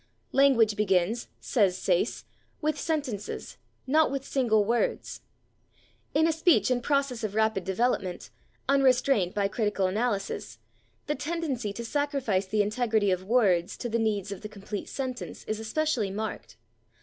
"Language begins," says Sayce, "with sentences, not with single words." In a speech in process of rapid development, unrestrained by critical analysis, the tendency to sacrifice the integrity of words to the needs of the complete sentence is especially marked.